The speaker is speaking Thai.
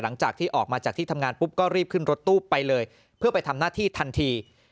หลังจากที่ออกมาจากที่ทำงานปุ๊บก็รีบขึ้นรถตู้ไปเลยเพื่อไปทำหน้าที่ทันที